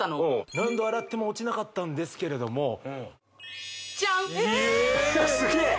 何度洗っても落ちなかったんですけれどもジャンすげえ！